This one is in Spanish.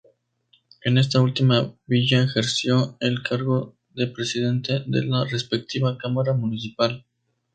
En esta última villa ejerció el cargo de presidente de la respectiva Cámara Municipal.